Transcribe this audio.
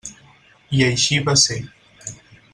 I així va ser.